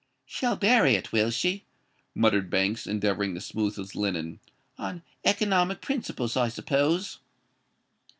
"She'll bury it, will she?" muttered Banks, endeavouring to smooth his linen: "on economic principles, I suppose."